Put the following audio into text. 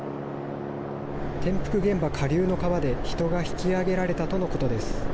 転覆現場下流の川で、人が引き上げられたとのことです。